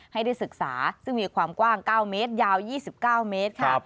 ให้ได้ศึกษาซึ่งมีความกว้าง๙เมตรยาว๒๙เมตรค่ะ